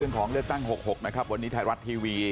เรื่องของเลือกตั้งหกหกนะครับวันนี้ไทยรัฐทีวี